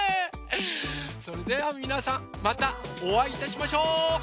それではみなさんまたおあいいたしましょう！